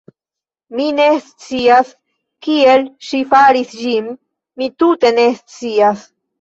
Mi ne scias kiel ŝi faris ĝin, mi tute ne scias!".